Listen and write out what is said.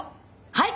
はい！